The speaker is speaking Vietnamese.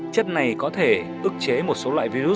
chất này có thể ước chế một số